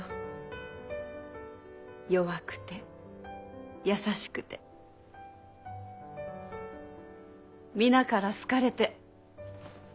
弱くて優しくて皆から好かれて。